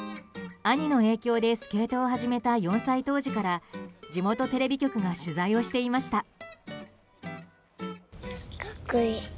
兄の影響でスケートを始めた４歳当時から地元テレビ局が取材をしていました。